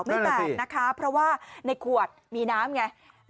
ไม่แตกนะคะเพราะว่าในขวดมีน้ำไง